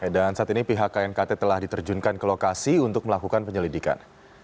dan saat ini pihak knkt telah diterjunkan ke lokasi untuk melakukan penyelidikan